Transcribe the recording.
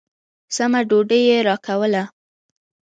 سمه ډوډۍ يې راکوله.